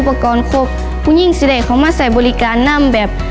ประกอบครบผู้ยิ่งเสด็จเขามาใส่บริการนำแบบ